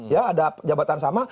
ya ada jabatan sama